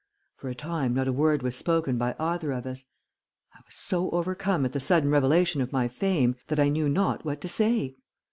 For a time not a word was spoken by either of us. I was so overcome at the sudden revelation of my fame, that I knew not what to say.